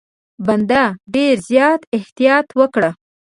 بنده ډېر زیات احتیاط وکړي.